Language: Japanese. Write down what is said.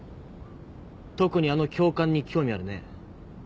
特にあの教官に興味あるね。